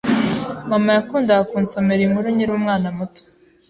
Mama yakundaga kunsomera inkuru nkiri umwana muto.